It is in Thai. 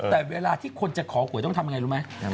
แต่เวลาที่คนจะขอหวยต้องทำยังไงรู้ไหม